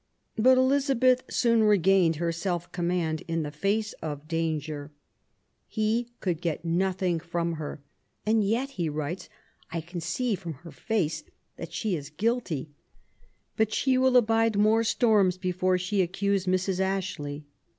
But Elizabeth soon regained her self command in the face of danger. He could get nothing from her :" and yet," he writes, I can see from her face that she is guilty, but she will abide more storms before THE YOUTH OF ELIZABETH, 13 she accuse Mrs. Ashley".